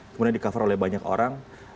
kemudian di cover oleh banyak orang